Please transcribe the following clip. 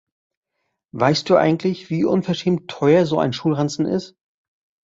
Weißt du eigentlich, wie unverschämt teuer so ein Schulranzen ist?